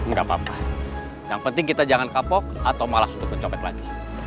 gak apa apa yang penting kita jangan kapok atau malas untuk mencopet lagi